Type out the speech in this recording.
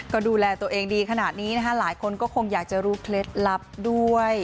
ก็ดูแลตัวเองดีขนาดนี้นะคะหลายคนก็คงอยากจะรู้เคล็ดลับด้วย